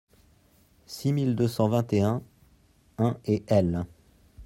six mille deux cent vingt et un-un et L.